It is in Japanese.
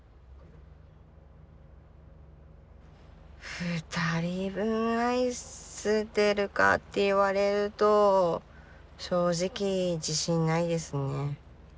２人分愛せてるかって言われると正直自信ないですね。